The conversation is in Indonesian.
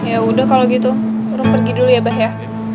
ya udah kalau gitu baru pergi dulu ya bah ya